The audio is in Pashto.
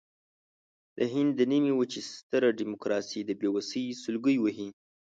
د هند د نیمې وچې ستره ډیموکراسي د بېوسۍ سلګۍ وهي.